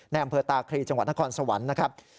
อำเภอตาครีจังหวัดนครสวรรค์นะครับ